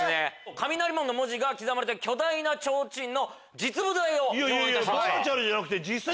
「雷門」の文字が刻まれた巨大なちょうちんの実物大を用意いたしました。